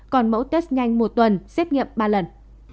còn mẫu test nhanh một tuần xét nghiệm ba lần